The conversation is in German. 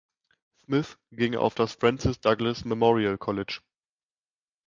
Smith ging auf das Francis Douglas Memorial College.